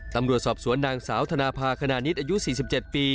ตำรวจสอบสวนนางสาวธนภาคณิตอายุ๔๗ปี